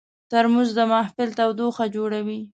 ترموز د محفل تودوخه جوړوي.